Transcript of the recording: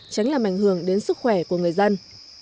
tránh làm ảnh hưởng đến sức khỏe của người dân